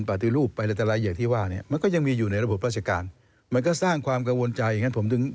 ไปอมเงินของ